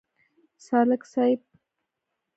سالک صیب.